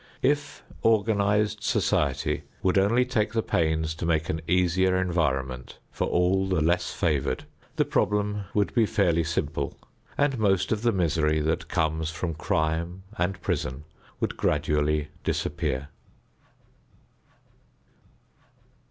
If organized society would only take the pains to make an easier environment for all the less favored, the problem would be fairly simple and most of the misery that comes from crime and prison would gradually disappear.